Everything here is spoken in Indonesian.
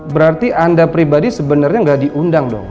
berarti anda pribadi sebenarnya nggak diundang dong